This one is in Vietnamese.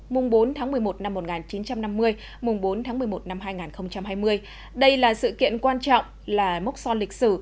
mùng bốn tháng một mươi một năm một nghìn chín trăm năm mươi mùng bốn tháng một mươi một năm hai nghìn hai mươi đây là sự kiện quan trọng là mốc son lịch sử